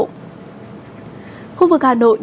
khu vực hà nội